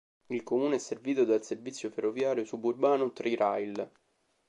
Il comune è servito dal servizio ferroviario suburbano Tri-Rail.